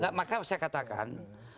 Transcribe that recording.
nah maka saya katakan